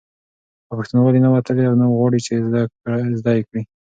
او پښتنوالي نه وتلي وي او نه غواړي، چې زده یې کړي